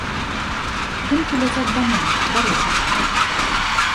Думкі ляцяць дамоў, да родных.